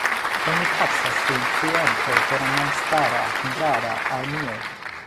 Oni taksas lin kreanto de la memstara hungara armeo.